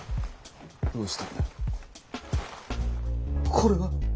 これはッ！